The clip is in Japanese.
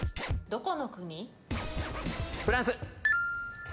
どこの国？